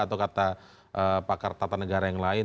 atau kata pakar tata negara yang lain